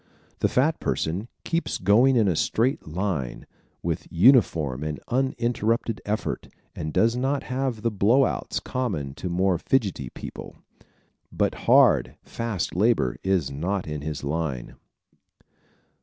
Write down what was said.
The fat person keeps going in a straight line, with uniform and uninterrupted effort, and does not have the blow outs common to more fidgety people. But hard, fast labor is not in his line.